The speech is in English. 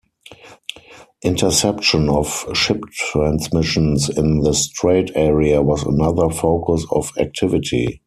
Interception of ship transmissions in the strait area was another focus of activity.